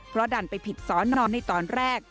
เพราะดันไปผิดสอนอในตอนแรก